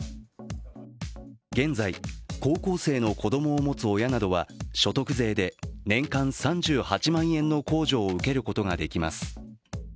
現在、高校生の子供を持つ親などは所得税で年間３８万円の控除を受けることができます。